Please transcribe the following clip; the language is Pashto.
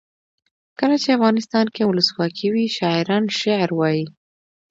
کله چې افغانستان کې ولسواکي وي شاعران شعر وايي.